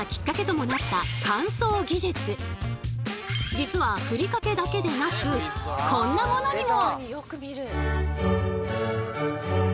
実はふりかけだけでなくこんなものにも！